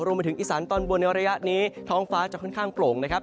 มาถึงอีสานตอนบนในระยะนี้ท้องฟ้าจะค่อนข้างโปร่งนะครับ